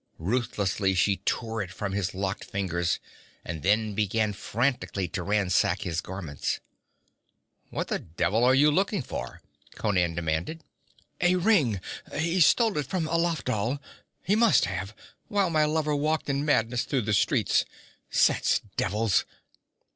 Ruthlessly she tore it from his locked fingers, and then began frantically to ransack his garments. 'What the devil are you looking for?' Conan demanded. 'A ring he stole it from Alafdhal. He must have, while my lover walked in madness through the streets. Set's devils!'